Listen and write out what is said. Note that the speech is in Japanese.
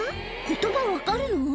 ことば分かるの？